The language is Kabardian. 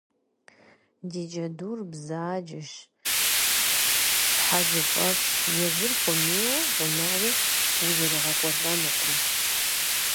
Ди джэдур бзаджэщ, щхьэзыфӏэфӏщ, езыр хуэмейуэ гъунэгъуу узригъэкӀуэлӀэнукъым.